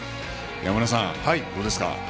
山村さん、どうですか？